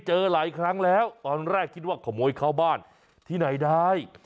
เจอหลายครั้งแล้วตอนแรกคิดว่าขโมยเข้าบ้านที่ไหนได้